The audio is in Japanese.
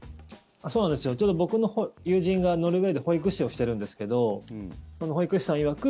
ちょうど僕の友人がノルウェーで保育士をしているんですけどその保育士さんいわく